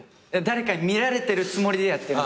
誰かに見られてるつもりでやってるんです。